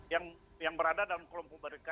yang pengurusan khas kita lihat